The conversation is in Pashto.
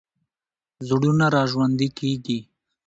زړونه راژوندي کېږي.